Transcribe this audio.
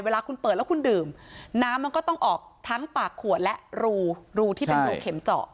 เวลาคุณเปิดแล้วคุณดื่มน้ำมันก็ต้องออกทั้งปากขวดและรูรูที่เป็นรูเข็มเจาะ